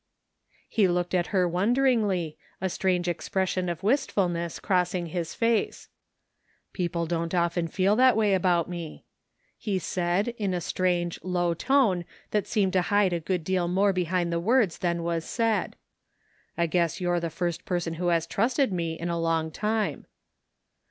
He looked at her wonderingly, a strange expression of wist fulness crossing his face. " People don't often feel that way about me," he said in a strange low tone that seemed to hide a good deal more behind the words than was said. " I guess you're the first person who has trusted me in a long time.'